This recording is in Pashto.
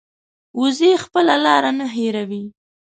وزې خپله لار نه هېروي